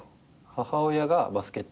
母親がバスケット。